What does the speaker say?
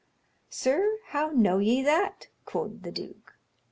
'Sir, how know ye that?' quod the duke.